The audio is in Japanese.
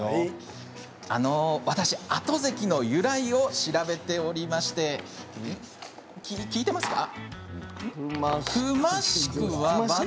あの、私、あとぜきの由来を調べておりまして聞いてますか？